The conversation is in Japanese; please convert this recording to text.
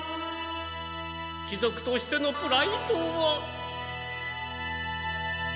貴族としてのプライドは。